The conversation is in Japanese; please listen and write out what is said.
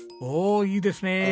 おおいいですね！